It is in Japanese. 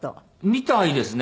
みたいですね。